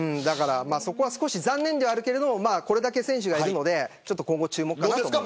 そこは少し残念ではあるけれどこれだけ選手がいるので今後、注目かなと思います。